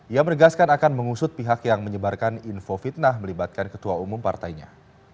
ia menegaskan akan mengusut pihak yang menyebarkan info fitnah melibatkan ketua umum partainya